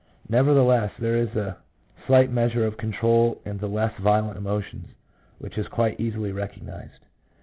Nevertheless there is a slight measure of control in the less violent emotions, which is quite easily recognized.